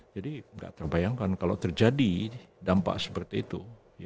jadi gak terbayangkan kalau terjadi dampak seperti itu